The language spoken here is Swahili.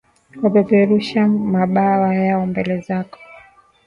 Wapeperusha, mabawa yao mbele zako.